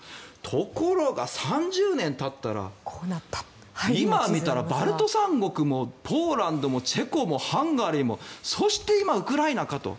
ところが、３０年たったら今見たらバルト三国もポーランドもチェコもハンガリーもそして今、ウクライナかと。